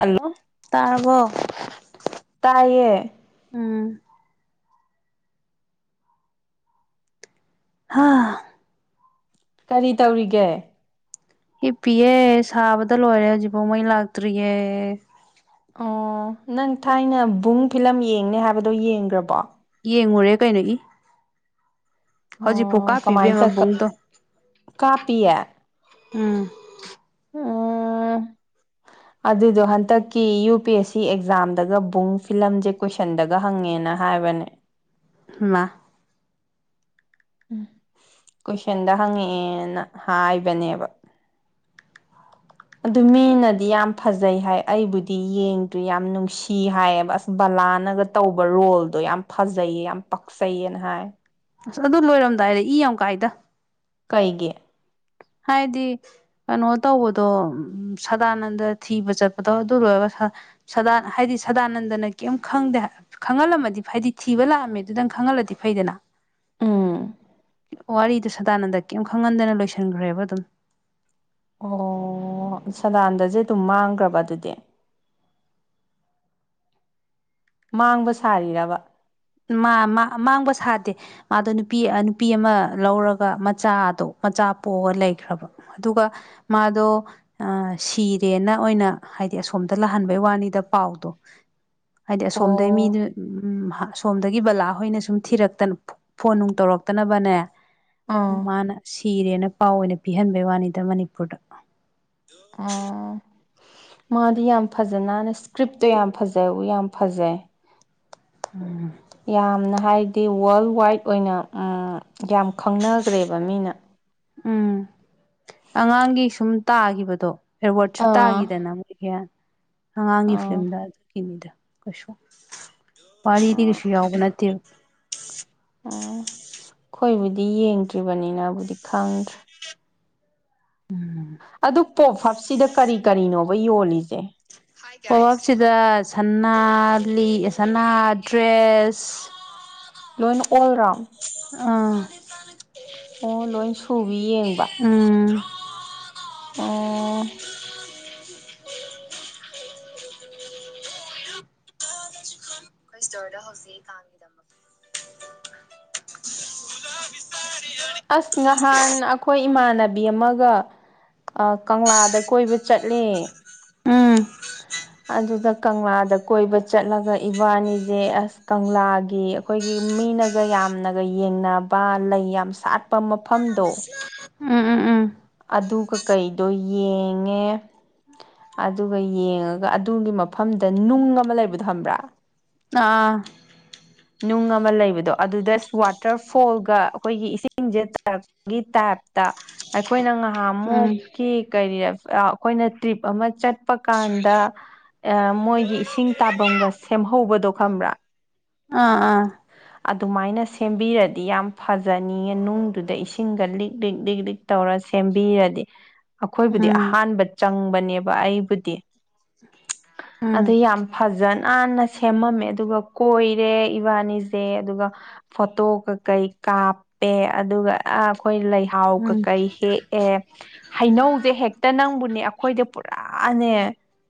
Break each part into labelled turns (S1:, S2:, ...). S1: hello
S2: ꯇꯥꯔꯕꯣ
S1: ꯇꯥꯏꯌꯦ
S2: ꯍꯥꯥ
S1: ꯀꯔꯤ ꯇꯧꯔꯤꯒꯦ
S2: ꯍꯤꯞꯄꯤꯌꯦ ꯁꯥꯕꯗ ꯂꯣꯏꯔꯦ ꯍꯧꯖꯤꯛꯐꯥꯎ ꯃꯩ ꯂꯥꯛꯇ꯭ꯔꯤꯌꯦ
S1: ꯑꯣ ꯅꯪ ꯊꯥꯏꯅ ꯕꯨꯡ ꯐꯤꯂꯝ ꯌꯦꯡꯅꯤ ꯍꯥꯏꯕꯗꯣ ꯌꯦꯡꯈ꯭ꯔꯕꯣ
S2: ꯌꯦꯡꯉꯨꯔꯦ ꯀꯩꯅꯣ ꯏ ꯍꯧꯖꯤꯛ ꯐꯥꯎ
S1: ꯑꯣ
S2: ꯀꯥꯞꯄꯤ
S1: ꯀꯃꯥꯏꯅ
S2: ꯏꯕꯦꯃꯥ
S1: ꯇ
S2: ꯕꯨꯡ ꯗꯣ
S1: ꯀꯥꯞꯄꯤꯌꯦ
S2: ꯎꯝ
S1: ꯎꯝ ꯑꯗꯨꯗꯣ ꯍꯟꯗꯛꯀꯤ ꯌꯨ ꯄꯤ ꯑꯦꯁ ꯁꯤ ꯑꯦꯛꯖꯥꯝꯗꯒ ꯕꯨꯡ ꯐꯤꯂꯝꯁꯦ ꯀꯣꯏꯁꯟꯗꯒ ꯍꯪꯉꯦꯅ ꯍꯥꯏ ꯍꯥꯢꯕꯅꯦ
S2: ꯃꯥ
S1: [unintelligible] ꯎꯝ ꯀꯣꯏꯁꯟꯗ ꯍꯪꯉꯛꯑꯦꯅ ꯍꯥꯏꯕꯅꯦꯕ ꯑꯗꯨ ꯃꯤꯅꯗꯤ ꯌꯥꯝ ꯐꯖꯩ ꯍꯥꯏ ꯑꯩꯕꯨꯗꯤ ꯌꯦꯡꯗ꯭ꯔꯤ ꯌꯥꯝ ꯅꯨꯡꯁꯤ ꯍꯥꯏꯌꯦꯕ ꯑꯁ ꯕ ꯕꯥꯂꯥ ꯅꯒ ꯇꯧꯕ ꯔꯣꯜꯗꯣ ꯌꯥꯝ ꯐꯖꯩꯌꯦ ꯌꯥꯝ ꯄꯥꯛꯆꯩꯌꯦꯅ ꯍꯥꯏ
S2: ꯑꯁ ꯑꯗꯨ ꯂꯣꯏꯔꯝꯗꯥꯏꯗ ꯏ ꯌꯥꯝ ꯀꯥꯏꯗ
S1: ꯀꯩꯒꯤ
S2: ꯍꯥꯏꯗꯤ ꯀꯩꯅꯣ ꯇꯧꯕꯗꯣ ꯁꯥꯗꯥꯅꯟꯗ ꯊꯤꯕ ꯆꯠꯄꯗꯣ ꯑꯗꯨ ꯂꯣꯏꯔꯒ ꯗꯥ ꯍꯥꯏꯗꯤ ꯁꯗꯥꯅꯟꯗꯅ ꯀꯦꯝ ꯈꯪꯗꯦ ꯈꯪꯍꯜꯂꯝꯃꯗꯤ ꯍꯥꯏꯗꯤ ꯊꯤꯕ ꯂꯥꯛꯑꯝꯃꯦ ꯑꯗꯨꯗꯪ ꯈꯪꯍꯜꯂꯗꯤ ꯐꯩꯗꯅ
S1: ꯎꯝ
S2: ꯋꯥꯔꯤꯗꯣ ꯁꯗꯥꯅꯟꯗ ꯀꯔꯤꯝ ꯈꯪꯍꯟꯗꯅ ꯂꯣꯏꯁꯤꯟꯈ꯭ꯔꯦꯕ ꯑꯗꯨꯝ
S1: ꯑꯣ ꯁꯗꯥꯟꯗꯁꯦ ꯑꯗꯨꯝ ꯃꯥꯡꯈ꯭ꯔꯕ ꯑꯗꯨꯗꯤ ꯃꯥꯡꯕ ꯁꯥꯔꯤꯔꯕ
S2: ꯃꯥ ꯃꯥꯡꯕ ꯁꯥꯗꯦ ꯃꯥꯗꯣ ꯅꯨꯄꯤ ꯅꯨꯄꯤ ꯑꯃ ꯂꯧꯔꯒ ꯃꯆꯥꯗꯣ ꯃꯆꯥ ꯄꯣꯛꯑ ꯂꯩꯈ꯭ꯔꯕ ꯑꯗꯨꯒ ꯃꯥꯗꯣ ꯁꯤꯔꯦꯅ ꯑꯣꯏꯅ ꯍꯥꯏ ꯍꯥꯏꯗꯤ ꯑꯁꯣꯝꯗ ꯂꯥꯛꯍꯟꯕꯩ ꯋꯥꯅꯤꯗ ꯄꯥꯎꯗꯣ ꯍꯥꯏꯗꯤ ꯑꯁꯣꯝꯗꯩ
S1: ꯑꯣ
S2: ꯃꯤꯗꯨ ꯎꯝ ꯁꯣꯝꯗꯒꯤ ꯕꯂꯥꯍꯣꯏꯅ ꯁꯨꯝ ꯊꯤꯔꯛꯇ ꯐꯣꯟ ꯅꯨꯡ ꯇꯧꯔꯛꯇꯅꯕꯅꯦ
S1: ꯑꯥ
S2: ꯃꯥꯅ ꯁꯤꯔꯦꯅ ꯄꯥꯎ ꯑꯣꯏꯅ ꯄꯤꯍꯟꯕꯩ ꯋꯥꯅꯤꯗ ꯃꯅꯤꯄꯨꯔꯗ
S1: ꯑꯥ ꯃꯥꯗꯤ ꯌꯥꯝ ꯐꯖꯅꯅ ꯏꯁꯀ꯭ꯔꯤꯞꯇꯣ ꯌꯥꯝ ꯐꯖꯩ ꯌꯥꯝ ꯐꯖꯩ
S2: ꯎꯝ
S1: ꯌꯥꯝꯅ ꯍꯥꯏꯗꯤ ꯋꯥꯔꯜ ꯋꯥꯏꯗ ꯑꯣꯏꯅ ꯌꯥꯝ ꯈꯪꯅꯈ꯭ꯔꯦꯕ ꯃꯤꯅ
S2: ꯎꯝ ꯑꯉꯥꯡꯒꯤ ꯁꯨꯝ ꯇꯥꯈꯤꯕꯗꯣ ꯑꯦꯋꯥꯔꯗꯁꯨ
S1: ꯑꯥ
S2: ꯇꯥꯈꯤꯗꯅ ꯃꯣꯏꯒꯤ ꯑꯉꯥꯡꯒꯤ
S1: ꯑꯥ
S2: ꯐꯤꯂꯝꯗ ꯑꯗꯨꯒꯤꯅꯤꯗ ꯋꯥꯔꯤꯗꯤ ꯀꯁꯨ ꯌꯥꯎꯕ ꯅꯠꯇꯦꯕ
S1: ꯎꯝ ꯑꯩꯈꯣꯏꯕꯨꯗꯤ ꯌꯦꯡꯗ꯭ꯔꯤꯕꯅꯤꯅꯕꯨꯗꯤ ꯈꯪꯗ꯭ꯔꯦ ꯑꯗꯨ ꯄꯣꯞ ꯍꯞꯁꯤꯗ ꯀꯔꯤ ꯀꯔꯤꯅꯣꯕ ꯌꯣꯜꯂꯤꯁꯦ
S2: ꯄꯣꯞ ꯎꯞ ꯁꯤꯗ ꯁꯅꯥ ꯂꯤꯛ ꯗ꯭ꯔꯦꯁ
S1: ꯂꯣꯏꯅ ꯑꯣꯜ ꯔꯥꯎꯟ
S2: ꯇ
S1: ꯑꯣ ꯂꯣꯏꯁꯨ
S2: ꯎꯝ
S1: ꯑ
S2: ꯑꯩꯈꯣꯏ ꯏꯁ꯭ꯇꯣꯔꯗ ꯍꯧꯖꯤꯛ ꯀꯥꯡꯒꯤꯗꯃꯛꯛꯇ
S1: ꯑꯁ ꯅꯍꯥꯟ ꯑꯩꯈꯣꯏ ꯏꯃꯥꯟꯅꯕꯤ ꯑꯃꯒ ꯀꯪꯂꯥꯗ ꯀꯣꯏꯕ ꯆꯠꯂꯦ
S2: ꯎꯝ
S1: ꯑꯗꯨꯗ ꯀꯪꯂꯥꯗ ꯀꯣꯏꯕ ꯆꯠꯂꯒ ꯏꯕꯥꯅꯤꯁꯦ ꯑꯁ ꯀꯪꯂꯥꯒꯤ ꯑꯩꯈꯣꯏꯒꯤ ꯃꯤꯅꯒ ꯌꯥꯝ ꯌꯥꯝꯅꯒ ꯌꯦꯡꯅꯕ ꯂꯩ ꯌꯥꯝ ꯁꯥꯠꯄ ꯃꯐꯝꯗꯣ
S2: ꯎꯝ ꯎꯝ ꯎꯝ
S1: ꯑꯗꯨꯒ ꯀꯩꯗꯣ ꯌꯦꯡꯉꯦ ꯑꯗꯨꯒ ꯌꯦꯡꯉꯒ ꯑꯗꯨꯒꯤ ꯃꯐꯝꯗ ꯅꯨꯡ ꯑꯃ ꯂꯩꯕꯗꯣ ꯊꯝꯕ꯭ꯔꯥ
S2: ꯑꯥ
S1: ꯅꯨꯡ ꯑꯃ ꯂꯩꯕꯗꯣ ꯑꯗꯨꯗ ꯋꯥꯇꯔ ꯐꯣꯜꯒ ꯑꯩꯈꯣꯏꯒꯤ ꯏꯁꯤꯡꯁꯦ ꯇꯥꯔꯛꯄꯒꯤ ꯑꯩꯈꯣꯏꯅ
S2: ꯎꯝ
S1: ꯉꯥꯏꯍꯥꯃꯨꯛ ꯀ ꯑꯩꯈꯣꯏꯅ ꯇ꯭ꯔꯤꯞ ꯑꯃ ꯆꯠꯄ ꯀꯥꯟꯗ ꯃꯣꯏꯒꯤ ꯏꯁꯤꯡ ꯇꯥꯐꯝꯒ ꯁꯦꯝ ꯍꯧꯕꯗꯣ ꯈꯕ꯭ꯔꯥ
S2: ꯑꯥ ꯑꯥ
S1: ꯑꯗꯨꯃꯥꯏꯅ ꯁꯦꯝꯕꯤꯔꯗꯤ ꯌꯥꯝ ꯐꯖꯅꯤꯉ ꯅꯨꯡꯗꯨꯗ ꯏꯁꯤꯡꯒ ꯂꯤꯛ ꯂꯤꯛ ꯂꯤꯛ ꯂꯤꯛ ꯇꯧꯔ ꯁꯦꯝꯕꯤꯔꯗꯤ ꯑꯩꯈꯣꯏꯕꯨꯗꯤ
S2: ꯎꯝ
S1: ꯑꯍꯥꯟꯕ ꯆꯪꯕꯅꯦꯕ ꯑꯩꯕꯨꯗꯤ
S2: ꯎꯝ
S1: ꯑꯗꯨ ꯌꯥꯝ ꯐꯖꯅꯟꯅ ꯁꯦꯝꯃꯝꯃꯦ ꯑꯗꯨꯒ ꯀꯣꯏꯔꯦ ꯅꯤꯁꯦ ꯑꯗꯨꯒ ꯐꯣꯇꯣ ꯀꯩ ꯀꯥꯞꯄꯦ ꯑꯗꯨꯒ ꯑꯩꯈꯣꯏ ꯂꯩꯥꯎ ꯍ
S2: ꯎꯝ
S1: ꯀꯀꯩ ꯍꯦꯛꯑꯦ ꯍꯩꯅꯧꯁꯦ ꯍꯦꯛꯇ ꯅꯪꯕꯨꯅꯦ ꯑꯩꯈꯣꯏꯗ ꯄꯨꯔꯥꯅꯦ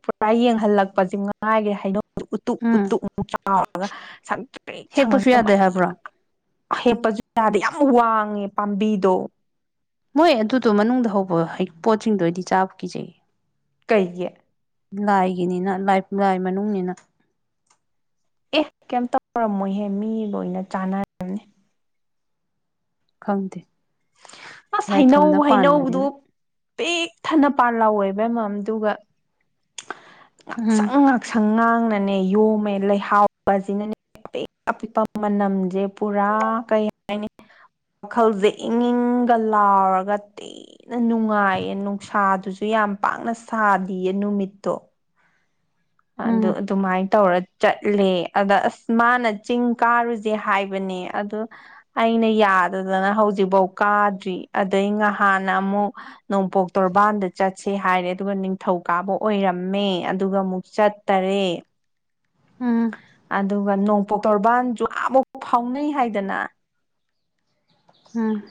S1: ꯄꯨꯔꯥ ꯌꯦꯡꯍꯜꯂꯛꯄꯁꯦ ꯉꯥꯏꯈ꯭ꯔꯦ ꯍꯥꯏꯩꯅ ꯎꯇꯨꯛ
S2: ꯎꯝ
S1: ꯎꯇꯨꯛ ꯆꯥꯎꯔꯒ ꯁ ꯄꯦꯛ
S2: ꯍꯦꯛꯄꯁꯨ
S1: ꯁꯪꯉꯒ
S2: ꯌꯥꯗꯦ
S1: ꯃꯩ
S2: ꯍꯥꯏꯕ꯭ꯔꯣ
S1: ꯍꯦꯞꯄꯁꯨ ꯥꯗ ꯌꯥꯝ ꯋꯥꯡꯉꯦ ꯄꯥꯝꯕꯤꯗꯣ
S2: ꯃꯣꯏ ꯑꯗꯨꯗꯣ ꯃꯅꯨꯡꯗ ꯍꯧꯕ ꯄꯣꯠꯁꯤꯡꯗꯣ ꯑꯩꯗꯤ ꯆꯥꯕ ꯀꯤꯖꯩꯌꯦ
S1: ꯀꯩꯌꯦ
S2: ꯂꯥꯏꯒꯤꯅꯤꯅ ꯂꯥꯏ ꯃꯅꯨꯡꯅ
S1: ꯑꯦ ꯀꯩꯝ ꯇꯧꯔꯝꯃꯣꯏꯍꯦ ꯃꯤ ꯂꯣꯏꯅ ꯆꯥꯟꯅꯔꯝꯅꯦ
S2: ꯈꯪꯗꯦ
S1: ꯑꯁ ꯍꯩꯅꯧ
S2: ꯂꯥꯏꯐꯝꯗ
S1: ꯍꯩꯅꯧꯗꯨ
S2: ꯄꯥꯟꯕꯅꯤꯅ
S1: ꯄꯦꯛ ꯊꯅ ꯄꯥꯟ ꯂꯥꯎꯋꯦꯕ ꯃꯝꯗꯨꯒ
S2: ꯎꯝ
S1: ꯉꯥꯛꯁꯪ ꯉꯥꯛꯁꯪ ꯉꯥꯡ ꯈꯪꯅꯅꯦ ꯌꯣꯝꯃꯦ ꯂꯩꯍꯥꯎꯕꯁꯤꯅꯅꯦ ꯑꯄꯤꯛ ꯑꯄꯤꯛꯄ ꯃꯅꯝꯁꯦ ꯄꯨꯔꯥ ꯀꯩ ꯍꯥꯏꯅꯤ ꯋꯥꯈꯜꯁꯦ ꯏꯪ ꯏꯪꯒ ꯂꯥꯎꯔꯒ ꯊꯤꯅ ꯅꯨꯡꯉꯥꯏꯌꯦ ꯅꯨꯡꯁꯥꯗꯨꯁꯨ ꯁꯨ ꯌꯥꯝ ꯄꯥꯛꯅ ꯁꯥꯗꯤꯌꯦ ꯅꯨꯃꯤꯠꯇꯣ
S2: ꯎꯝ
S1: ꯑꯗꯨ ꯑꯗꯨꯃꯥꯏꯅ ꯇꯧꯔꯗꯤ ꯆꯠꯂꯦ ꯑꯗ ꯑꯁ ꯃꯥꯅ ꯆꯤꯡ ꯀꯥꯔꯨꯁꯦ ꯍꯥꯏꯕꯅꯦ ꯑꯗ ꯑꯩꯅ ꯀꯥꯗꯗꯅ ꯍꯧꯖꯤꯛ ꯐꯧ ꯀꯥꯗ꯭ꯔꯤ ꯑꯗꯩ ꯉꯍꯥꯟꯅ ꯑꯃꯨꯛ ꯅꯣꯡꯄꯣꯛ ꯇꯣꯔꯕꯥꯟꯗ ꯆꯠ ꯆꯠꯁꯦ ꯍꯥꯏꯔꯦ ꯑꯗꯨꯒ ꯅꯤꯡꯊꯧ ꯀꯥꯕ ꯑꯣꯏꯔꯝꯃꯦ ꯑꯗꯨꯒ ꯑꯃꯨꯛ ꯆꯠꯇꯔꯦ
S2: ꯎꯝ
S1: ꯑꯗꯨꯒ ꯅꯣꯡꯄꯣꯛ ꯇꯣꯔꯕꯥꯟꯁꯨ ꯑꯃꯛꯥꯎ ꯐꯥꯎꯅꯩ ꯍꯥꯏꯗꯅ
S2: ꯎꯝ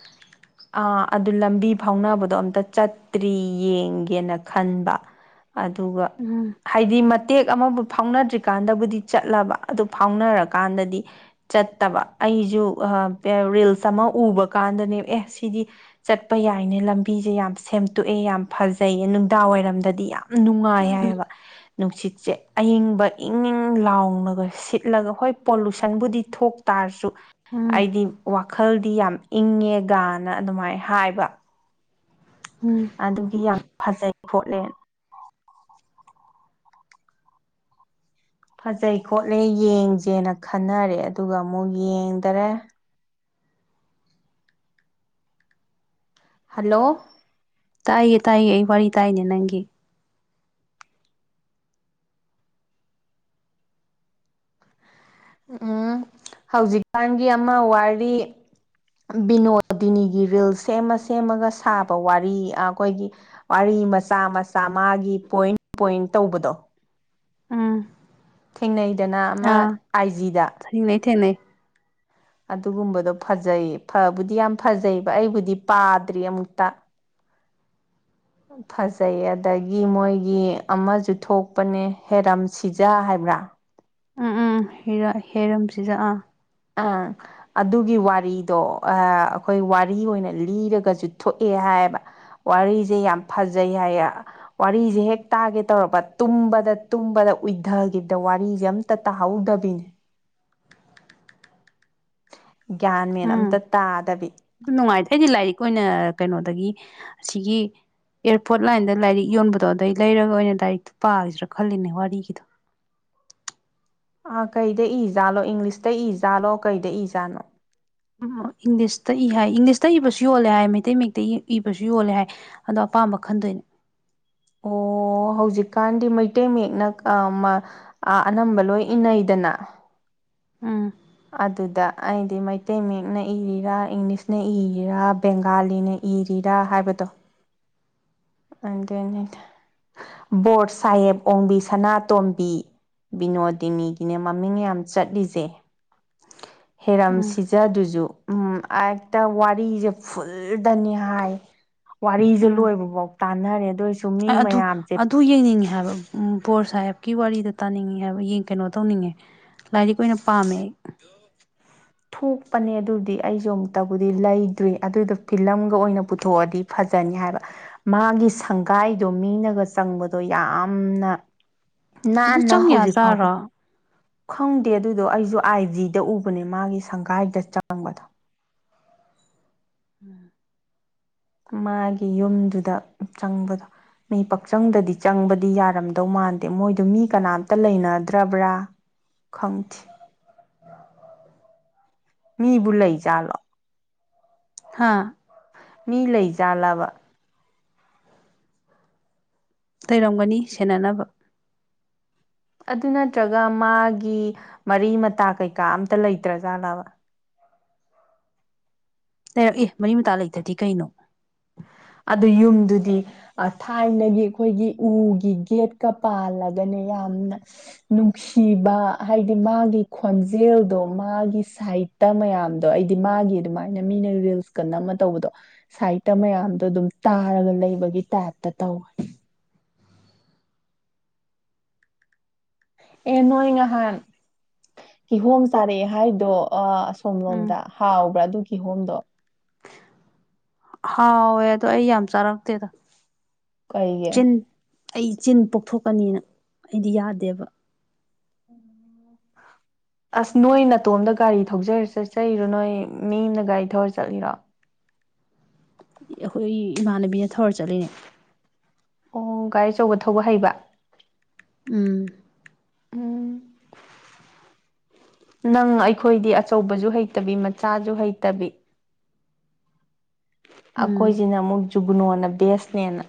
S1: ꯑ ꯑꯗꯨ ꯂꯝꯕꯤ ꯐꯥꯎꯅꯕꯗꯣ ꯑꯝꯇ ꯆꯠꯇ꯭ꯔꯤ ꯌꯦꯡꯒꯦꯅ ꯈꯟꯕ ꯑꯗꯨꯒ
S2: ꯎꯝ
S1: ꯍꯥꯏꯗꯤ ꯦꯛ ꯑꯃꯕꯨ ꯐꯥꯎꯅꯗ꯭ꯔꯤꯀꯥꯟꯗꯕꯨꯗꯤ ꯆꯠꯂꯕ ꯑꯗꯨ ꯐꯥꯎꯅꯔꯀꯥꯟꯗꯗꯤ ꯆꯠꯇꯕ ꯑꯩꯁꯨ ꯔꯤꯜꯁ ꯑꯃ ꯎꯕ ꯀꯥꯟꯗꯅꯦ ꯑꯦ ꯁꯤꯗꯤ ꯆꯠꯄ ꯌꯥꯏꯅꯦ ꯂꯝꯕꯤꯁꯦ ꯌꯥꯝ ꯁꯦꯝꯇꯣꯛꯑꯦ ꯌꯥꯝ ꯐꯖꯩꯌꯦ ꯅꯨꯡꯗꯥꯡꯋꯥꯏꯔꯝꯗꯗꯤ ꯌꯥꯝ ꯅꯨꯡꯉꯥꯏ
S2: ꯎꯝ
S1: ꯍꯥꯏꯌꯦꯕ ꯅꯨꯡꯁꯤꯠꯁꯦ ꯑꯌꯪꯕ ꯏꯪ ꯏꯪ ꯂꯥꯎꯅꯒ ꯁꯤꯠꯂꯒ ꯍꯣꯏ ꯄꯣꯂꯨꯁꯟꯕꯨꯗꯤ ꯊꯣꯛꯇꯥꯔꯁꯨ
S2: ꯎꯝ
S1: ꯑꯩꯗꯤ ꯋꯥꯈꯜꯗꯤ ꯌꯥꯝ ꯏꯪꯉꯦ ꯅ ꯑꯗꯨꯃꯥꯏꯅ ꯍꯥꯏꯕ
S2: ꯎꯝ
S1: ꯑꯗꯨꯒꯤ ꯌꯥꯝ ꯐꯖꯩ ꯄꯣꯠꯂꯦꯟ ꯐꯖꯩ ꯈꯣꯠꯂꯦ ꯌꯦꯡꯁꯦꯅ ꯈꯟꯅꯔꯦ ꯑꯗꯨꯒ ꯑꯃꯨꯛ ꯌꯦꯡꯗꯔꯦ ꯍꯜꯂꯣ
S2: ꯇꯥꯏꯌꯦ ꯇꯥꯏꯌꯦ ꯑꯩ ꯋꯥꯔꯤ ꯇꯥꯏꯅꯦ ꯅꯪꯒꯤ
S1: ꯎꯝ ꯍꯧꯖꯤꯛꯀꯥꯟꯒꯤ ꯑꯃ ꯋꯥꯔꯤ ꯕꯤꯅꯣꯗꯤꯅꯤꯒꯤ ꯔꯤꯜ ꯁꯦꯝꯃ ꯁꯦꯝꯃꯒ ꯁꯥꯕ ꯋꯥꯔꯤ ꯑꯩꯈꯣꯏꯒꯤ ꯋꯥꯔꯤ ꯃꯆꯥ ꯃꯆꯥ ꯃꯥꯒꯤ ꯄꯣꯏꯟ ꯄꯣꯏꯟ ꯇꯧꯕꯗꯣ
S2: ꯑꯥ
S1: ꯊꯦꯡꯅꯩꯗꯅ ꯑꯃ ꯑꯥꯏ ꯖꯤꯗ
S2: ꯊꯦꯡꯅꯩ ꯊꯦꯡꯅꯩ
S1: ꯑꯗꯨꯒꯨꯝꯕꯗꯣ ꯐꯖꯩꯌꯦꯕꯨꯗꯤ ꯌꯥꯝ ꯐꯖꯩꯕ ꯑꯩꯕꯨꯗꯤ ꯄꯥꯗ꯭ꯔꯤ ꯑꯃꯨꯛꯇ [inaudible] ꯐꯖꯩ ꯑꯗꯒꯤ ꯃꯣꯏꯒꯤ ꯑꯃꯁꯨ ꯊꯣꯛꯄꯅꯦ ꯍꯦꯔꯝ ꯁꯤꯖꯥ ꯍꯥꯏꯕ꯭ꯔꯥ [inaudible]
S2: ꯎꯤ ꯍꯦꯔꯝꯁꯤꯗ ꯑꯥ
S1: ꯑ ꯑꯗꯨꯒꯤ ꯋꯥꯔꯤꯗꯣ ꯑꯩꯈꯣꯏ ꯋꯥꯔꯤ ꯑꯣꯏꯅ ꯂꯤꯔꯒꯁꯨ ꯊꯣꯛꯑꯦ ꯍꯥꯏ ꯋꯥꯔꯤꯁꯦ ꯌꯥꯝ ꯐꯖꯩ ꯍꯥꯏ ꯋꯥꯔꯤꯁꯦ ꯍꯦꯛ ꯇꯥꯒꯦ ꯇꯔꯛꯄ ꯇꯨꯝꯕꯗ ꯎꯏꯊꯒꯤꯗ ꯋꯥꯔꯤꯁꯦ ꯑꯝꯇ ꯇꯥꯍꯧꯗꯕꯤꯅꯦ ꯒ꯭ꯌꯥꯟ ꯃꯦꯟ ꯑꯝꯇ ꯇꯥꯗꯕꯤ
S2: ꯑꯗꯨ ꯅꯨꯡꯉꯥꯏꯇꯦ ꯑꯩꯗꯤ ꯂꯥꯏꯔꯤꯛ ꯑꯣꯏꯅ ꯀꯩꯅꯣꯗꯒꯤ ꯑꯁꯤꯒꯤ ꯑꯦꯔꯄꯣꯔꯠ ꯂꯥꯏꯟꯗ ꯂꯥꯏꯔꯤꯛ ꯌꯣꯟꯕꯗꯣ ꯑꯗꯨꯗꯩ ꯂꯩꯔꯒ ꯑꯣꯏꯅ ꯂꯥꯏꯔꯤꯛꯇꯣ ꯄꯥꯈꯤꯗ꯭ꯔꯥ ꯈꯜꯂꯤꯅꯦ ꯋꯥꯔꯤꯒꯤꯗꯣ
S1: ꯑꯥ ꯀꯩꯗ ꯏꯖꯥꯠꯂꯣ ꯏꯪꯂꯤꯁꯇ ꯏꯖꯥꯠꯂꯣ ꯀꯩꯗ ꯏꯖꯥꯠꯅꯣ
S2: ꯎꯝ ꯏꯪꯂꯤꯁꯇ ꯏ ꯍꯥꯏ ꯏꯪꯂꯤꯁꯇ ꯏꯕꯁꯨ ꯌꯣꯜꯂꯦ ꯍꯥꯏ ꯃꯩꯇꯩ ꯃꯇꯩ ꯏꯕꯁꯨ ꯌꯣꯜꯂꯦ ꯍꯥꯏ ꯑꯗꯣ ꯑꯄꯥꯝꯕ ꯈꯟꯗꯣꯏꯅꯦ
S1: ꯑꯣ ꯑꯣ ꯍꯧꯖꯤꯛꯀꯥꯟꯗꯤ ꯃꯩꯇꯩ ꯃꯌꯦꯛꯅ ꯑꯅꯝꯕ ꯂꯣꯏ ꯏꯅꯩꯗꯅ
S2: ꯎꯝ
S1: ꯑꯗꯨꯗ ꯑꯩꯗꯤ ꯃꯩꯇꯩ ꯃꯌꯦꯛꯅ ꯏꯔꯤꯔꯥ ꯏꯪꯂꯤꯁꯅ ꯏꯔꯤꯔꯥ ꯕꯦꯡꯒꯥꯂꯤꯅ ꯏꯔꯤꯔꯥ ꯍꯥꯏꯕꯗꯣ ꯑꯗꯨ ꯕꯣꯔ ꯁꯥꯍꯦꯕ ꯑꯣꯡꯕꯤ ꯁꯅꯥꯇꯣꯝꯕꯤ ꯕꯤꯅꯣꯗꯤꯅꯤꯒꯤꯅꯦ ꯃꯃꯤꯡ ꯌꯥꯝ ꯆꯠꯂꯤꯁꯦ ꯍꯦꯔꯝ
S2: ꯎꯝ
S1: ꯁꯤꯖꯗꯨꯖ ꯎꯝ ꯍꯦꯛꯇ ꯋꯥꯔꯤꯁꯦ ꯐꯨꯜꯗꯅꯤ ꯍꯥꯏ ꯋꯥꯔꯤꯁꯦ
S2: ꯎꯝ
S1: ꯂꯣꯏꯕꯐꯥꯎ ꯇꯥꯟꯅꯔꯦ ꯑꯗꯨ ꯃꯤ
S2: ꯑꯗꯨ
S1: ꯃꯌꯥꯝꯁꯦ
S2: ꯑꯗꯨ ꯌꯦꯡꯅꯤꯡꯉꯦ ꯍꯥꯏꯕ ꯕꯣꯔ ꯁꯥꯍꯦꯕꯀꯤ ꯋꯥꯔꯤꯗ ꯇꯥꯅꯤꯡꯉ ꯍꯥꯏꯕ ꯌꯦꯡ ꯀꯩꯅꯣ ꯇꯧꯅꯤꯡꯉꯦ ꯂꯥꯏꯗꯤꯛ ꯑꯣꯏꯅ ꯄꯥꯝꯃꯦ
S1: ꯊꯣꯛꯄꯅꯦ ꯑꯗꯨꯗꯤ ꯑꯩꯁꯨ ꯑꯃꯨꯛꯇꯕꯨꯗꯤ ꯂꯩꯇ꯭ꯔꯤ ꯑꯗꯨꯗ ꯐꯤꯂꯝꯒ ꯑꯣꯏꯅ ꯄꯨꯊꯣꯛꯑꯗꯤ ꯐꯖꯩ ꯇꯅꯤ ꯍꯥꯏꯕ ꯃꯥꯒꯤ ꯁꯪꯒꯥꯏꯗꯣ ꯃꯤꯅꯒ ꯆꯪꯕꯗꯣ ꯌꯥꯝꯅ
S2: ꯑꯗꯨ
S1: ꯅꯥꯟꯅ
S2: ꯆꯪ ꯌꯥ
S1: ꯍꯧꯖꯤꯛ ꯐꯥꯎꯕ
S2: ꯆꯥꯔꯣ
S1: ꯈꯪꯗꯦ ꯑꯗꯨꯗꯣ ꯑꯩꯁꯨ ꯑꯥꯏ ꯖꯤꯗ ꯎꯕꯅꯦ ꯃꯥꯒꯤ ꯁꯪꯒꯥꯏꯗ ꯆꯪꯕꯗꯣ
S2: ꯎꯝ
S1: ꯃꯥꯒꯤ ꯌꯨꯝꯗꯨꯗ ꯆꯪꯕꯗꯣ ꯃꯤ ꯄꯛꯆꯪꯗꯗꯤ ꯆꯪꯕꯗꯤ ꯌꯥꯔꯝꯗꯧ ꯃꯥꯟꯗꯦ ꯃꯣꯏꯗꯨ ꯃꯤ ꯀꯅꯥꯝꯇ ꯂꯩꯅꯗ꯭ꯔꯕ꯭ꯔꯥ ꯈꯪꯈꯤꯦ ꯃꯤꯕꯨ ꯂꯩꯖꯥꯠꯂꯣ
S2: ꯍꯥꯥ
S1: ꯃꯤ ꯂꯩꯖꯥꯜꯂꯕ
S2: ꯇꯩꯔꯝꯒꯅꯤ ꯁꯦꯟꯅꯅꯕ
S1: ꯑꯗꯨ ꯅꯠꯇ꯭ꯔꯒ ꯃꯥꯒꯤ ꯃꯔꯤ ꯃꯇꯥ ꯀꯩꯀꯥ ꯑꯝꯇ ꯂꯩꯇ꯭ꯔ ꯖꯥꯠꯂꯥꯕ [inaudible]
S2: ꯂꯩꯔꯛꯏꯦ ꯃꯔꯤ ꯃꯇꯥ ꯂꯩꯇꯗꯤ ꯀꯩꯅꯣ
S1: ꯑꯗꯨ ꯌꯨꯝꯗꯨꯗꯤ ꯊꯥꯏꯅꯒꯤ ꯑꯩꯈꯣꯏꯒꯤ ꯎꯒꯤ ꯒꯦꯠꯀ ꯄꯥꯜꯂꯒꯅꯦ ꯌꯥꯝꯅ ꯅꯨꯡꯁꯤꯕ ꯍꯥꯏꯗꯤ ꯃꯥꯒꯤ ꯈꯣꯟꯖꯦꯜꯗꯣ ꯃꯥꯒꯤ ꯁꯥꯏ ꯏꯠꯇ ꯃꯌꯥꯝꯗꯣ ꯑꯩꯗꯤ ꯃꯥꯒꯤ ꯑꯗꯨꯃꯥꯏꯅ ꯃꯤꯅ ꯔꯤꯜꯁ ꯀ ꯅꯝꯃ ꯇꯧꯕꯗꯣ ꯁꯥꯏꯠꯇ ꯃꯌꯥꯝ ꯑꯗꯨꯝ ꯇꯥꯔꯒ ꯂꯩꯕꯒꯤ ꯇꯥꯏꯞꯇ ꯇꯧꯋꯦ ꯑꯦ ꯅꯣꯏ ꯉꯍꯥꯟ ꯀꯤꯍꯣꯝ ꯆꯥꯔꯛꯑꯦ ꯍꯥꯏꯗꯣ ꯑ
S2: ꯎꯝ
S1: ꯁꯣꯝꯂꯣꯝꯗ ꯍꯥꯎꯕ꯭ꯔꯥ ꯑꯗꯨ ꯀꯤꯍꯣꯝꯗꯣ
S2: ꯍꯥꯎꯋꯦ ꯑꯗꯣ ꯑꯩ ꯌꯥꯝ ꯆꯥꯔꯛꯇꯦꯗ
S1: ꯀꯩꯒꯤ
S2: ꯑꯩꯆꯤꯟ ꯄꯣꯛꯊꯣꯛꯀꯅꯤꯅ ꯑꯩꯗꯤ ꯌꯥꯗꯦꯕ
S1: [inaudible] ꯑꯁ ꯅꯣꯏ ꯅꯥꯇꯣꯝꯗ ꯒꯥꯔꯤ ꯊꯧꯖꯔ ꯆꯠꯆꯩꯔꯣ ꯅꯣꯏ ꯃꯤꯅ ꯒꯥꯔꯤ ꯊꯧꯔ ꯆꯠꯂꯤꯔꯣ
S2: ꯑꯩꯈꯣꯏ ꯏꯃꯥꯟꯅꯕꯤꯅ ꯊꯧꯔ ꯆꯠꯂꯤꯅꯦ
S1: ꯑꯣ ꯒꯥꯔꯤ ꯑꯆꯧꯕ ꯊꯧꯕ ꯍꯩꯕ
S2: ꯎꯝ
S1: ꯅꯪ ꯑꯩꯈꯣꯏꯗꯤ ꯑꯆꯧꯕꯖꯖ ꯍꯩꯇꯕꯤ ꯃꯆꯥꯖꯨ ꯍꯩꯇꯕꯤ
S2: ꯎꯝ
S1: ꯑꯈꯣꯏꯖꯤꯅ ꯑꯃꯨꯛ ꯖꯨꯒꯨꯅꯣꯅ ꯕꯦꯁꯅꯦꯅ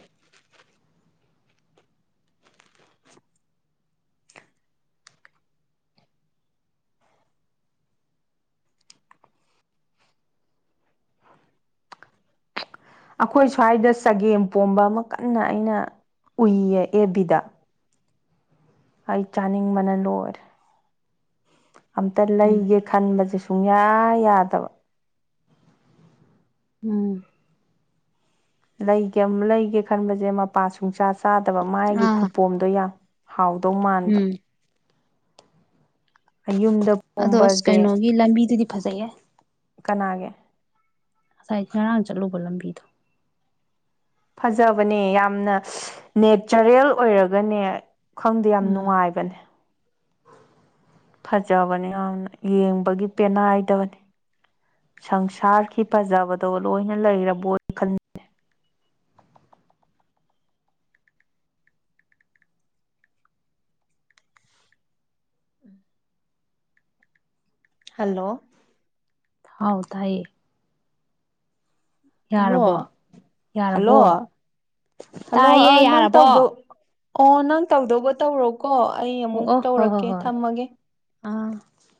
S1: ꯑꯩꯈꯣꯏ ꯁ꯭ꯋꯥꯏꯗ ꯆꯒꯦꯝ ꯄꯣꯝꯕ ꯑꯃ ꯀꯟꯅ ꯑꯩꯅ ꯎꯏꯌꯦ ꯑꯦꯐ ꯕꯤꯗ ꯑꯩ ꯆꯥꯅꯤꯡꯕꯅ ꯂꯣꯏꯔꯦ ꯑꯝꯇ ꯂꯩꯒꯦ ꯈꯟꯕꯖꯦ ꯁꯨꯡꯌꯥ ꯌꯥꯗꯕ
S2: ꯎꯝ
S1: ꯂꯩꯒꯦꯝ ꯂꯩꯒꯦ ꯈꯟꯕꯁꯦ ꯃꯄꯥ ꯁꯨꯡꯆꯥ ꯆꯥꯗꯕ ꯃꯥꯒꯤ
S2: ꯑꯥ
S1: ꯈꯨꯄꯣꯝꯗꯣ ꯌꯥ ꯍꯥꯎꯗꯧ ꯃꯥꯟꯕ
S2: ꯎꯝ
S1: ꯃꯌꯨꯝꯗ
S2: ꯑꯗꯣ ꯑꯁ
S1: ꯄꯣꯝꯕꯖꯦ
S2: ꯀꯩꯅꯣꯒꯤ ꯂꯝꯕꯤꯗꯨꯗꯤ ꯐꯖꯩꯍꯦ
S1: ꯀꯅꯥꯒꯤ
S2: ꯉꯁꯥꯏ ꯉꯔꯥꯡ ꯆꯠꯂꯨꯕ ꯂꯝꯕꯤꯗꯣ
S1: ꯐꯖꯕꯅꯦ ꯌꯥꯝꯅ ꯅꯦꯆꯔꯦꯜ ꯑꯣꯏꯔꯒꯅꯦ ꯈꯪꯗꯦ ꯌꯥꯝ
S2: ꯎꯝ
S1: ꯅꯨꯡꯉꯥꯏꯕꯅꯦ ꯐꯖꯕꯅꯦ ꯌꯥꯝꯅ ꯌꯦꯡꯕꯒꯤ ꯄꯦꯟꯅꯥꯏꯗꯕꯅꯦ ꯁꯪꯁꯥꯔꯒꯤ ꯄꯖꯕꯗꯣ ꯂꯣꯏꯅ ꯂꯩꯔꯕꯣꯏ ꯈꯟꯅꯦ ꯍꯜꯂꯣ
S2: ꯍꯥꯎ ꯇꯥꯏꯌꯦ
S1: ꯍꯜꯂꯣ
S2: ꯌꯥꯔꯕꯣ
S1: ꯍꯜꯂꯣ
S2: ꯌꯥꯔꯕꯣ
S1: ꯍꯜꯂꯣ ꯑ
S2: ꯇꯥꯏꯌꯦ
S1: ꯅꯪ
S2: ꯌꯥꯔꯕꯣ
S1: ꯇꯧꯗꯧ ꯑꯣ ꯅꯪ ꯇꯧꯗꯧꯕ ꯇꯧꯔꯣꯀꯣ ꯑꯩ ꯑꯃꯨꯛ
S2: ꯑꯣ ꯑꯣ ꯍꯣ ꯍꯣ
S1: ꯇꯧꯔꯛꯀꯦ
S2: ꯍꯣꯏ
S1: ꯊꯝꯃꯒꯦ
S2: ꯑꯥ